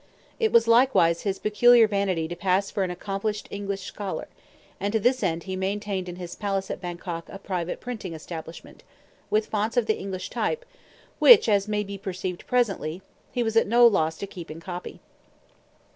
It was likewise his peculiar vanity to pass for an accomplished English scholar, and to this end he maintained in his palace at Bangkok a private printing establishment, with fonts of English type, which, as may be perceived presently, he was at no loss to keep in "copy."